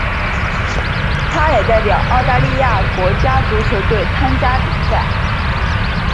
他也代表澳大利亚国家足球队参加比赛。